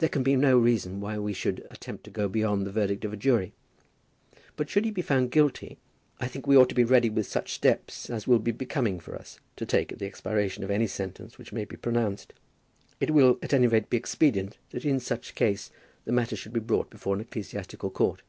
There can be no reason why we should attempt to go beyond the verdict of a jury. But should he be found guilty, I think we ought to be ready with such steps as it will be becoming for us to take at the expiration of any sentence which may be pronounced. It will be, at any rate, expedient that in such case the matter should be brought before an ecclesiastical court."